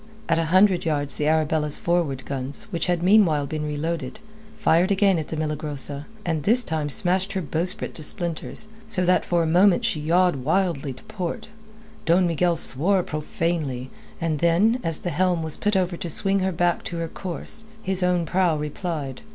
At a hundred yards the Arabella's forward guns, which had meanwhile been reloaded, fired again at the Milagrosa, and this time smashed her bowsprit into splinters; so that for a moment she yawed wildly to port. Don Miguel swore profanely, and then, as the helm was put over to swing her back to her course, his own prow replied.